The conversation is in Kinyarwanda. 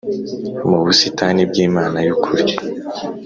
mu busitani bw Imana y ukuri